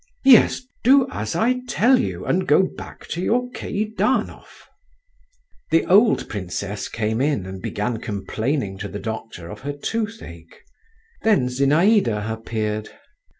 Yes! do as I tell you, and go back to your Keidanov." The old princess came in, and began complaining to the doctor of her toothache. Then Zinaïda appeared.